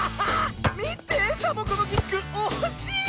みてサボ子のキック。おしい！